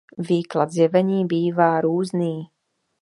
Výklad zjevení bývá různý.